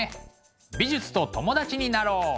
美術と友達になろう！